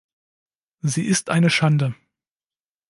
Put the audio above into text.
Sie ist eine Schande!